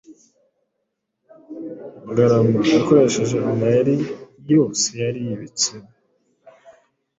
Ngarama yakoresheje amayeri yose yari yibitsemo,